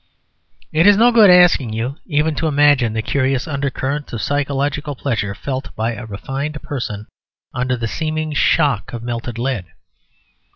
It is no good asking you even to imagine the curious undercurrent of psychological pleasure felt by a refined person under the seeming shock of melted lead."